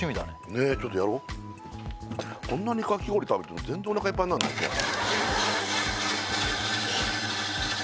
ねっちょっとやろうこんなにかき氷食べても全然おなかいっぱいになんないねまあね